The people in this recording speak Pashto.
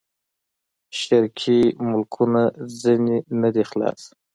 شرقي ملکونه ځنې نه دي خلاص.